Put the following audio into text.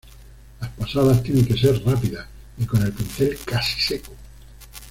Las pasadas tienen que ser rápidas y con el pincel casi seco.